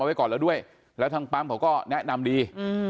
ไว้ก่อนแล้วด้วยแล้วทางปั๊มเขาก็แนะนำดี